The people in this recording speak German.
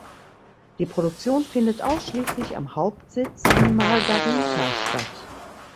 Die Produktion findet ausschließlich am Hauptsitz in Margarita statt.